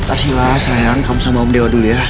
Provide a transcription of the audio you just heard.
arsila sayang kamu sama om dewa dulu ya